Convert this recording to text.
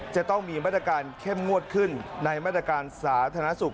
จะต้องมีมาตรการเข้มงวดขึ้นในมาตรการสาธารณสุข